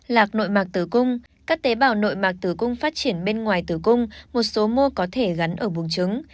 lạc nội mạc tứ cung các tế bào nội mạc tứ cung phát triển bên ngoài tứ cung một số mô có thể gắn ở buồng trứng